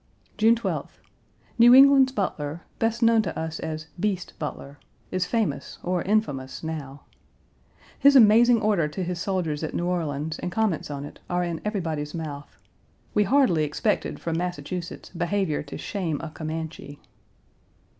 June 12th. New England's Butler, best known to us as "Beast" Butler, is famous or infamous now. His amazing order to his soldiers at New Orleans and comments on it are in everybody's mouth. We hardly expected from Massachusetts behavior to shame a Comanche.